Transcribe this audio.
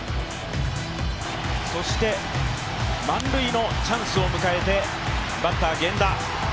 そして満塁のチャンスを迎えてバッター・源田。